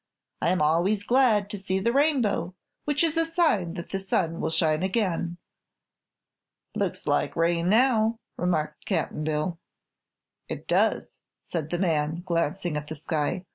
I am always glad to see the rainbow, which is a sign that the sun will shine again." "Looks like rain now," remarked Cap'n Bill. "It does," said the man, glancing at the sky.